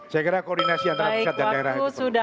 saya kira koordinasi antara pusat dan daerah itu